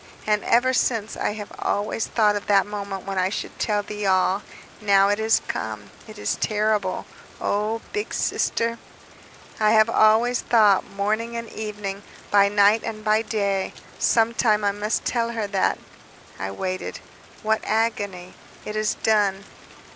And ever since, I have always thought of that moment when I should tell thee all. Now it is come. It is terrible. Oh ... Big Sister! "I have always thought, morning and evening, by night and by day, 'Some time I must tell her that ...' I waited ... What agony! ... It is done.